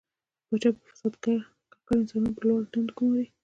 پاچا په فساد ککړ کسان په لوړو دندو ګماري.